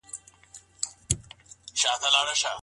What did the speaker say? خاوند او مېرمن بايد خپلمنځي درک ولري.